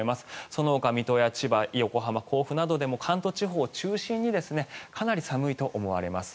そのほか水戸、千葉、横浜、甲府など関東地方を中心にかなり寒いと思われます。